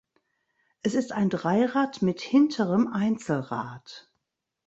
Es ist ein Dreirad mit hinterem Einzelrad.